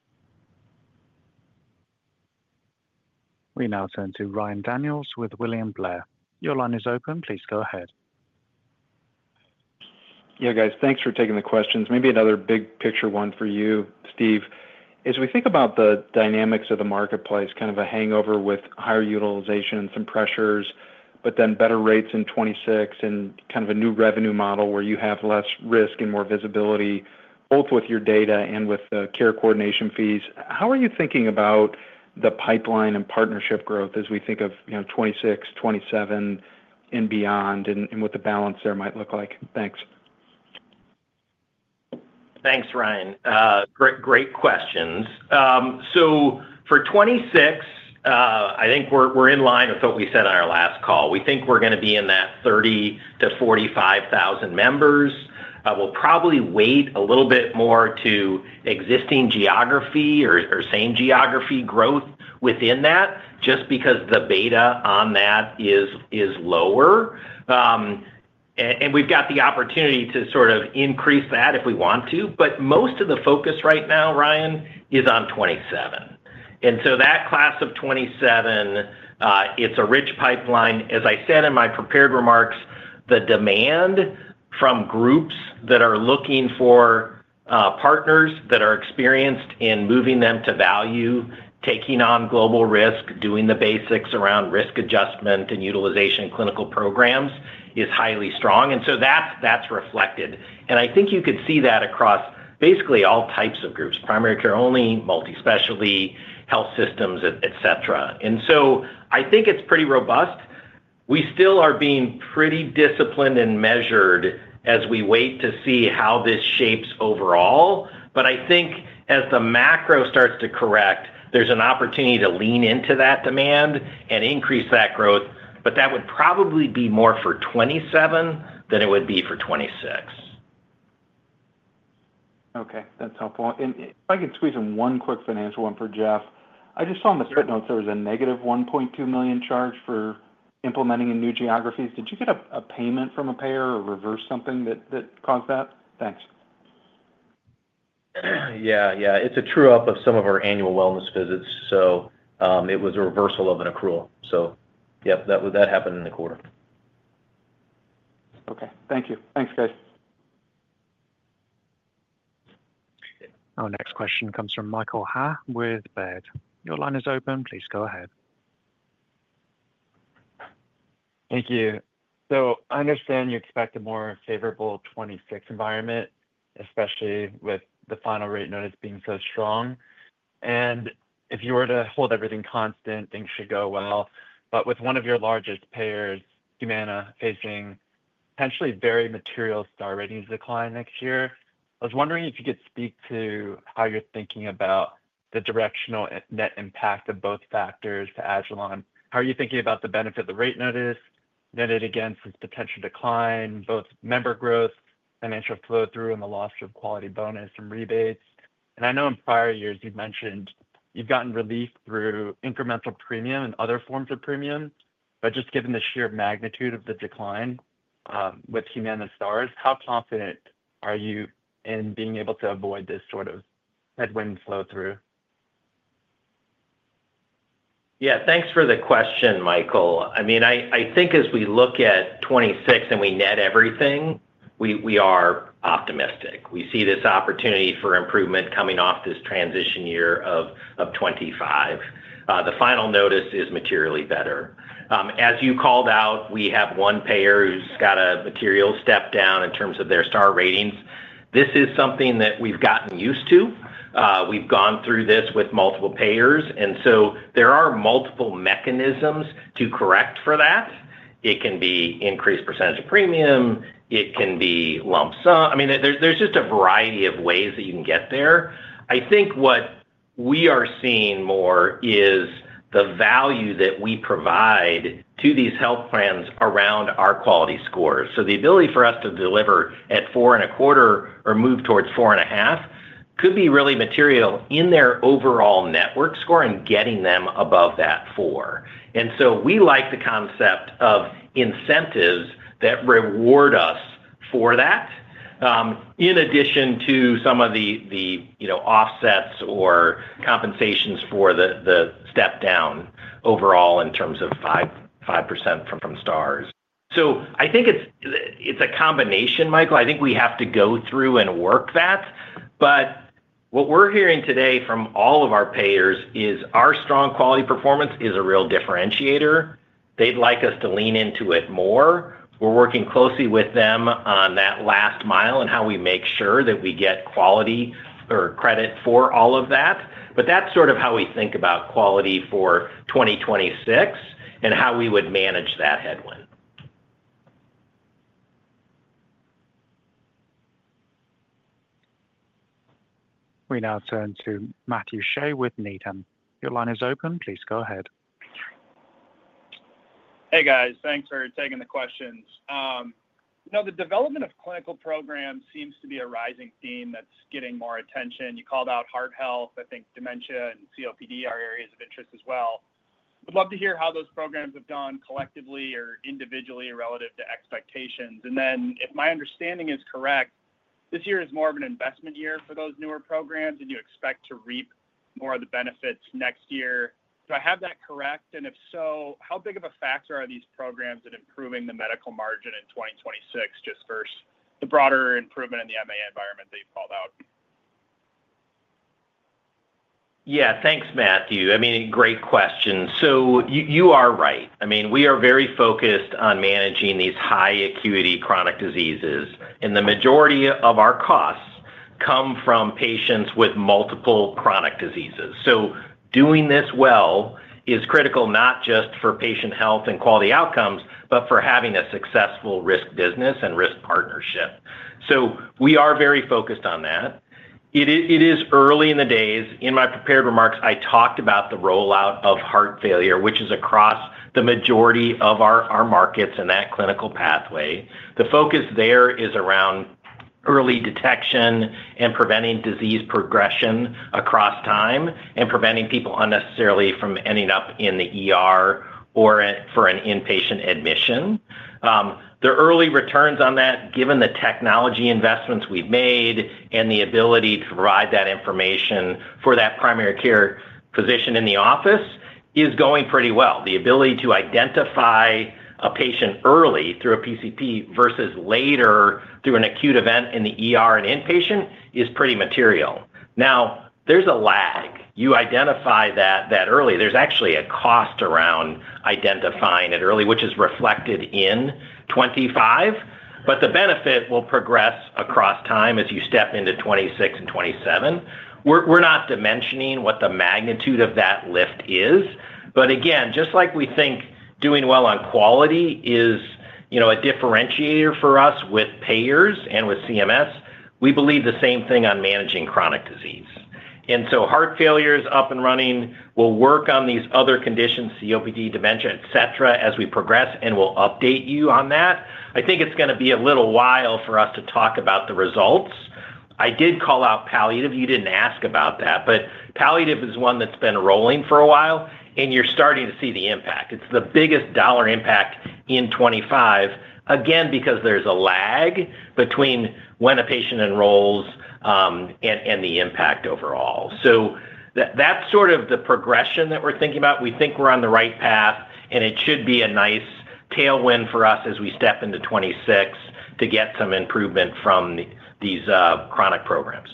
We now turn to Ryan Daniels with William Blair. Your line is open. Please go ahead. Yeah, guys. Thanks for taking the questions. Maybe another big picture one for you, Steve. As we think about the dynamics of the marketplace, kind of a hangover with higher utilization and some pressures, but then better rates in 2026 and kind of a new revenue model where you have less risk and more visibility, both with your data and with the care coordination fees. How are you thinking about the pipeline and partnership growth as we think of 2026, 2027, and beyond, and what the balance there might look like? Thanks. Thanks, Ryan. Great questions. For 2026, I think we're in line with what we said on our last call. We think we're going to be in that 30,000-45,000 members. We'll probably weight a little bit more to existing geography or same geography growth within that just because the beta on that is lower. We've got the opportunity to sort of increase that if we want to. Most of the focus right now, Ryan, is on 2027. That class of 2027, it's a rich pipeline. As I said in my prepared remarks, the demand from groups that are looking for partners that are experienced in moving them to value, taking on global risk, doing the basics around risk adjustment and utilization clinical programs is highly strong. That is reflected. I think you could see that across basically all types of groups: primary care only, multi-specialty, health systems, etc. I think it is pretty robust. We still are being pretty disciplined and measured as we wait to see how this shapes overall. I think as the macro starts to correct, there is an opportunity to lean into that demand and increase that growth. That would probably be more for 2027 than it would be for 2026. Okay. That is helpful. If I could squeeze in one quick financial one for Jeff. I just saw in the footnotes there was a negative $1.2 million charge for implementing in new geographies. Did you get a payment from a payer or reverse something that caused that? Thanks. Yeah. Yeah. It's a true-up of some of our annual wellness visits. So it was a reversal of an accrual. So yep, that happened in the quarter. Okay. Thank you. Thanks, guys. Our next question comes from Michael Ha with Baird. Your line is open. Please go ahead. Thank you. I understand you expect a more favorable 2026 environment, especially with the final rate notice being so strong. If you were to hold everything constant, things should go well. With one of your largest payers, Humana, facing potentially very material star ratings decline next year, I was wondering if you could speak to how you're thinking about the directional net impact of both factors to Agilon. How are you thinking about the benefit of the rate notice, net it against its potential decline, both member growth, financial flow through, and the loss of quality bonus and rebates? I know in prior years you've mentioned you've gotten relief through incremental premium and other forms of premium. Just given the sheer magnitude of the decline with Humana Stars, how confident are you in being able to avoid this sort of headwind flow through? Yeah. Thanks for the question, Michael. I mean, I think as we look at 2026 and we net everything, we are optimistic. We see this opportunity for improvement coming off this transition year of 2025. The final notice is materially better. As you called out, we have one payer who's got a material step down in terms of their star ratings. This is something that we've gotten used to. We've gone through this with multiple payers. There are multiple mechanisms to correct for that. It can be increased % of premium. It can be lump sum. I mean, there's just a variety of ways that you can get there. I think what we are seeing more is the value that we provide to these health plans around our quality scores. The ability for us to deliver at four and a quarter or move towards four and a half could be really material in their overall network score and getting them above that four. We like the concept of incentives that reward us for that in addition to some of the offsets or compensations for the step down overall in terms of 5% from stars. I think it is a combination, Michael. I think we have to go through and work that. What we are hearing today from all of our payers is our strong quality performance is a real differentiator. They would like us to lean into it more. We are working closely with them on that last mile and how we make sure that we get quality or credit for all of that. That is sort of how we think about quality for 2026 and how we would manage that headwind. We now turn to Matthew Shea with Needham. Your line is open. Please go ahead. Hey, guys. Thanks for taking the questions. The development of clinical programs seems to be a rising theme that's getting more attention. You called out heart health. I think dementia and COPD are areas of interest as well. Would love to hear how those programs have done collectively or individually relative to expectations. If my understanding is correct, this year is more of an investment year for those newer programs, and you expect to reap more of the benefits next year. Do I have that correct? If so, how big of a factor are these programs in improving the medical margin in 2026, just versus the broader improvement in the MA environment that you called out? Yeah. Thanks, Matthew. I mean, great question. You are right. I mean, we are very focused on managing these high acuity chronic diseases. The majority of our costs come from patients with multiple chronic diseases. Doing this well is critical not just for patient health and quality outcomes, but for having a successful risk business and risk partnership. We are very focused on that. It is early in the days. In my prepared remarks, I talked about the rollout of heart failure, which is across the majority of our markets and that clinical pathway. The focus there is around early detection and preventing disease progression across time and preventing people unnecessarily from ending up in the ER for an inpatient admission. The early returns on that, given the technology investments we have made and the ability to provide that information for that primary care physician in the office, is going pretty well. The ability to identify a patient early through a PCP versus later through an acute event in the ER and inpatient is pretty material. Now, there is a lag. You identify that early. There's actually a cost around identifying it early, which is reflected in 2025. The benefit will progress across time as you step into 2026 and 2027. We're not dimensioning what the magnitude of that lift is. Again, just like we think doing well on quality is a differentiator for us with payers and with CMS, we believe the same thing on managing chronic disease. Heart failure is up and running. We'll work on these other conditions, COPD, dementia, etc., as we progress, and we'll update you on that. I think it's going to be a little while for us to talk about the results. I did call out palliative. You did not ask about that. Palliative is one that's been rolling for a while, and you're starting to see the impact. It's the biggest dollar impact in 2025, again, because there's a lag between when a patient enrolls and the impact overall. That's sort of the progression that we're thinking about. We think we're on the right path, and it should be a nice tailwind for us as we step into 2026 to get some improvement from these chronic programs.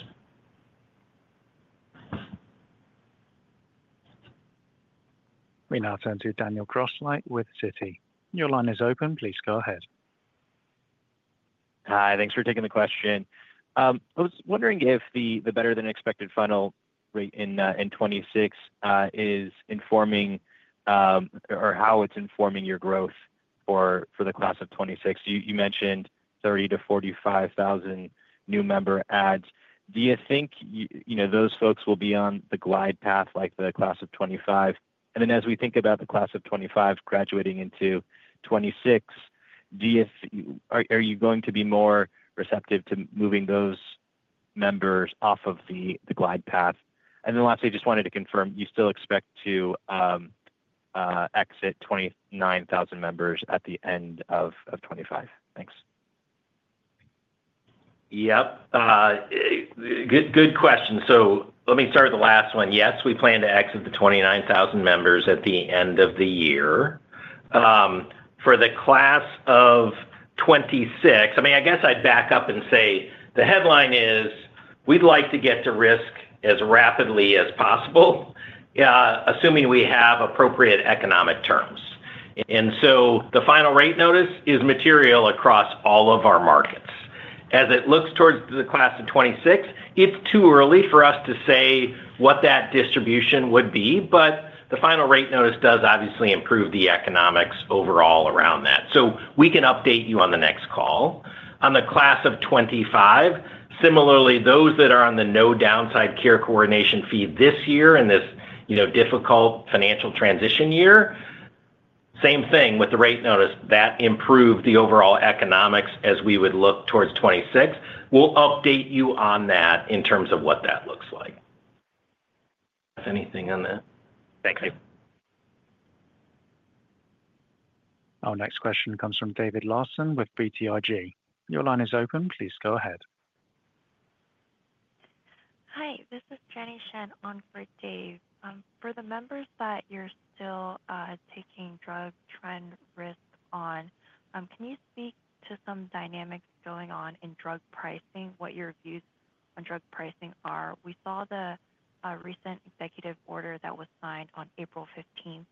We now turn to Daniel Grosslight with Citi. Your line is open. Please go ahead. Hi. Thanks for taking the question. I was wondering if the better-than-expected final rate in 2026 is informing or how it's informing your growth for the class of 2026. You mentioned 30,000-45,000 new member ads. Do you think those folks will be on the glide path like the class of 2025? As we think about the class of 2025 graduating into 2026, are you going to be more receptive to moving those members off of the glide path? Lastly, I just wanted to confirm, you still expect to exit 29,000 members at the end of 2025? Thanks. Yep. Good question. Let me start with the last one. Yes, we plan to exit the 29,000 members at the end of the year. For the class of 2026, I mean, I guess I'd back up and say the headline is, "We'd like to get to risk as rapidly as possible, assuming we have appropriate economic terms." The final rate notice is material across all of our markets. As it looks towards the class of 2026, it's too early for us to say what that distribution would be. The final rate notice does obviously improve the economics overall around that. We can update you on the next call. On the class of 2025, similarly, those that are on the no downside care coordination fee this year in this difficult financial transition year, same thing with the rate notice that improved the overall economics as we would look towards 2026. We will update you on that in terms of what that looks like. Anything on that? Thank you. Our next question comes from David Larson with BTIG. Your line is open. Please go ahead. Hi. This is Jenny Shen on for Dave. For the members that you are still taking drug trend risk on, can you speak to some dynamics going on in drug pricing, what your views on drug pricing are? We saw the recent executive order that was signed on April 15th.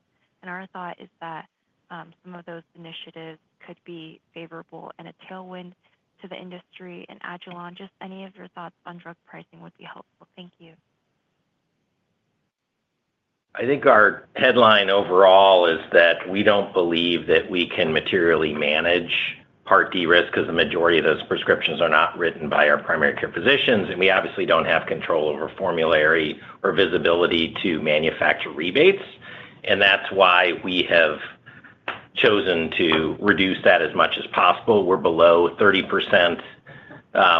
Our thought is that some of those initiatives could be favorable and a tailwind to the industry and agilon health. Just any of your thoughts on drug pricing would be helpful. Thank you. I think our headline overall is that we do not believe that we can materially manage Part D risk because the majority of those prescriptions are not written by our primary care physicians. We obviously do not have control over formulary or visibility to manufacturer rebates. That is why we have chosen to reduce that as much as possible. We are below 30%.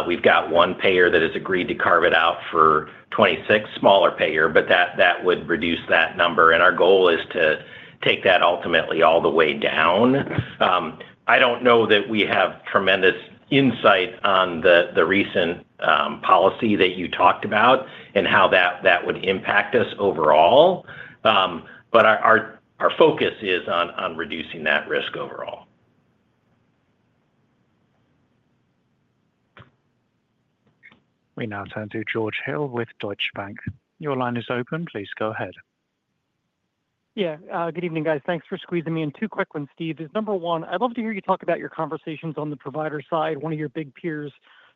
We have one payer that has agreed to carve it out for 2026, smaller payer, but that would reduce that number. Our goal is to take that ultimately all the way down. I do not know that we have tremendous insight on the recent policy that you talked about and how that would impact us overall. Our focus is on reducing that risk overall. We now turn to George Hill with Deutsche Bank. Your line is open. Please go ahead. Yeah. Good evening, guys. Thanks for squeezing me in. Two quick ones, Steve. Number one, I'd love to hear you talk about your conversations on the provider side. One of your big peers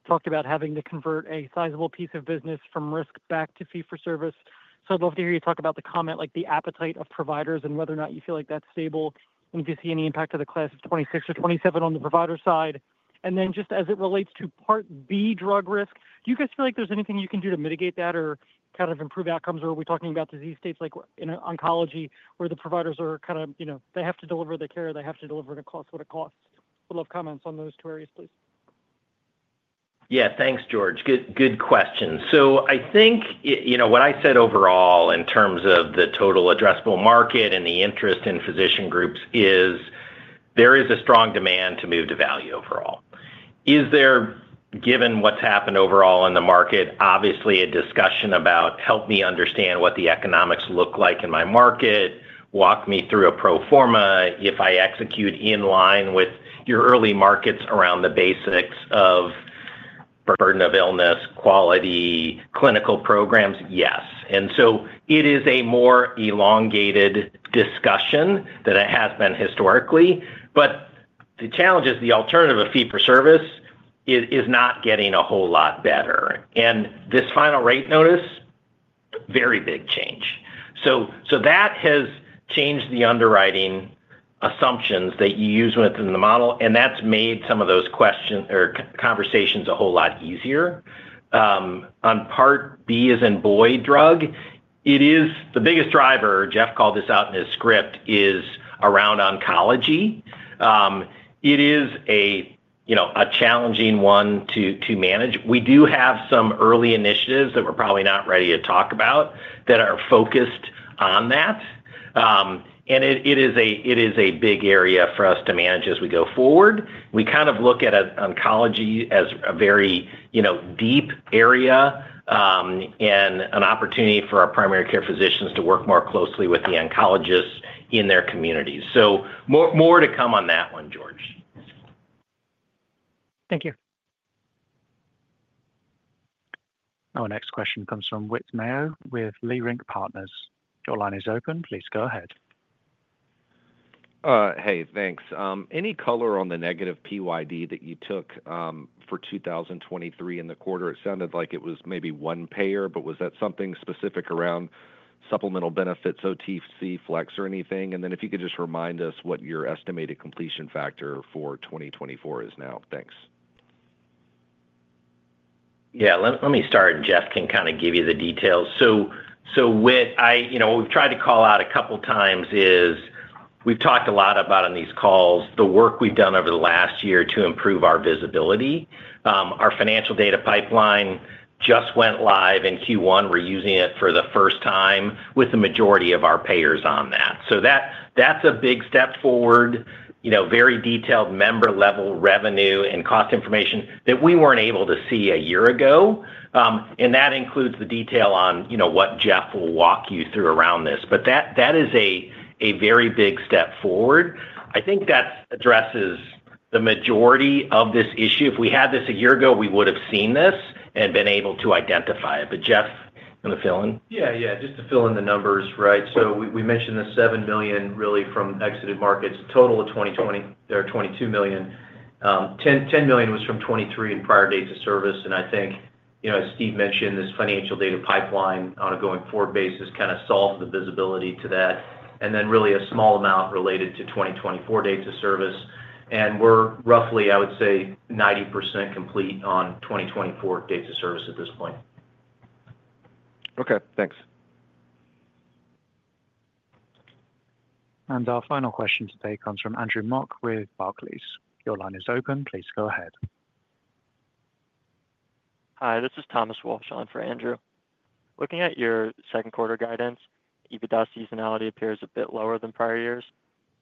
talked about having to convert a sizable piece of business from risk back to fee for service. I'd love to hear you talk about the comment, like the appetite of providers and whether or not you feel like that's stable and if you see any impact of the class of 2026 or 2027 on the provider side. And then just as it relates to Part B drug risk, do you guys feel like there's anything you can do to mitigate that or kind of improve outcomes? Are we talking about disease states like in oncology where the providers are kind of, they have to deliver the care, they have to deliver the cost, what it costs? We'd love comments on those two areas, please. Yeah. Thanks, George. Good question. I think what I said overall in terms of the total addressable market and the interest in physician groups is there is a strong demand to move to value overall. Is there, given what's happened overall in the market, obviously a discussion about, "Help me understand what the economics look like in my market, walk me through a pro forma." If I execute in line with your early markets around the basics of burden of illness, quality, clinical programs, yes. It is a more elongated discussion than it has been historically. The challenge is the alternative of fee for service is not getting a whole lot better. This final rate notice, very big change. That has changed the underwriting assumptions that you use within the model. That has made some of those conversations a whole lot easier. On Part B as in boy drug, it is the biggest driver. Jeff called this out in his script, is around oncology. It is a challenging one to manage. We do have some early initiatives that we're probably not ready to talk about that are focused on that. It is a big area for us to manage as we go forward. We kind of look at oncology as a very deep area and an opportunity for our primary care physicians to work more closely with the oncologists in their communities. More to come on that one, George. Thank you. Our next question comes from Whit Mayo with Leerink Partners. Your line is open. Please go ahead. Hey, thanks. Any color on the negative PYD that you took for 2023 in the quarter? It sounded like it was maybe one payer, but was that something specific around supplemental benefits, OTC, Flex, or anything? If you could just remind us what your estimated completion factor for 2024 is now. Thanks. Yeah. Let me start, and Jeff can kind of give you the details. What we have tried to call out a couple of times is we have talked a lot about on these calls the work we have done over the last year to improve our visibility. Our financial data pipeline just went live in Q1. We are using it for the first time with the majority of our payers on that. That's a big step forward, very detailed member-level revenue and cost information that we were not able to see a year ago. That includes the detail on what Jeff will walk you through around this. That is a very big step forward. I think that addresses the majority of this issue. If we had this a year ago, we would have seen this and been able to identify it. Jeff, you want to fill in? Yeah. Just to fill in the numbers, right? We mentioned the $7 million really from exited markets, total of 2020. There are $22 million. $10 million was from 2023 and prior dates of service. I think, as Steve mentioned, this financial data pipeline on a going forward basis kind of solves the visibility to that. Then really a small amount related to 2024 dates of service. We're roughly, I would say, 90% complete on 2024 dates of service at this point. Okay. Thanks. Our final question today comes from Andrew Mock with Barclays. Your line is open. Please go ahead. Hi. This is Thomas Walsh on for Andrew. Looking at your second quarter guidance, EBITDA seasonality appears a bit lower than prior years.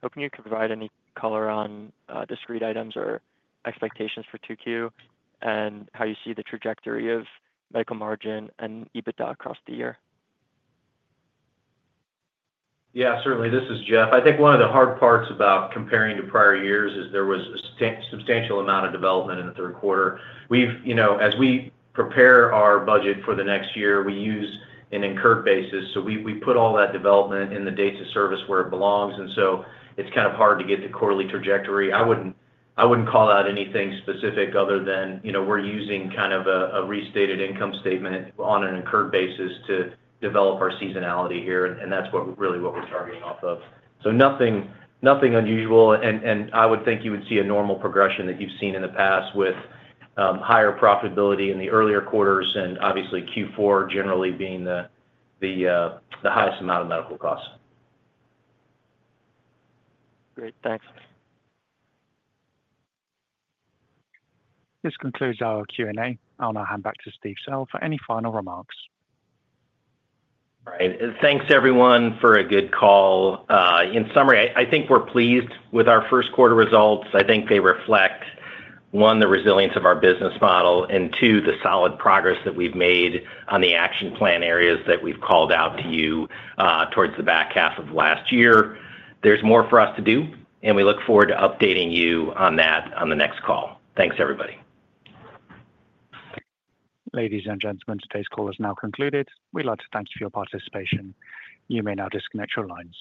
How can you provide any color on discrete items or expectations for 2Q and how you see the trajectory of medical margin and EBITDA across the year? Yeah. Certainly. This is Jeff. I think one of the hard parts about comparing to prior years is there was a substantial amount of development in the third quarter. As we prepare our budget for the next year, we use an incurred basis. We put all that development in the dates of service where it belongs. It's kind of hard to get the quarterly trajectory. I wouldn't call out anything specific other than we're using kind of a restated income statement on an incurred basis to develop our seasonality here. That's really what we're targeting off of. Nothing unusual. I would think you would see a normal progression that you've seen in the past with higher profitability in the earlier quarters and obviously Q4 generally being the highest amount of medical costs. Great. Thanks. This concludes our Q&A. I'll now hand back to Steve Sell for any final remarks. All right. Thanks, everyone, for a good call. In summary, I think we're pleased with our first quarter results. I think they reflect, one, the resilience of our business model, and two, the solid progress that we've made on the action plan areas that we've called out to you towards the back half of last year. There's more for us to do, and we look forward to updating you on that on the next call. Thanks, everybody. Ladies and gentlemen, today's call is now concluded. We'd like to thank you for your participation. You may now disconnect your lines.